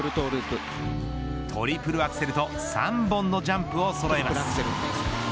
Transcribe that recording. トリプルアクセルと３本のジャンプをそろえます。